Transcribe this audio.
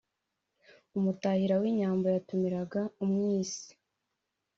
umutahira w’inyambo yatumiraga umwisi,